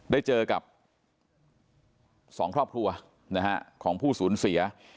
ได้เจอกับ๒ครอบครัวของผู้สูญเสีย